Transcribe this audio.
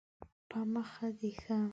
په مخه دې ښه